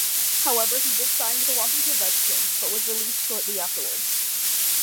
However, he did sign with the Washington Redskins but was released shortly afterwards.